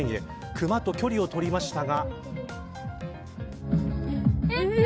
クマと距離を取りましたが。